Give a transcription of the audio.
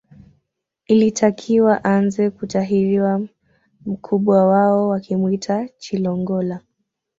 Ilitakiwa aanze kutahiriwa mkubwa wao wakimuita Chilongola